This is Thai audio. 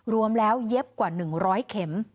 รวมแล้วเย็บกว่า๑๐๐เข็ม